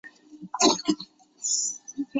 格林尼治宫苑。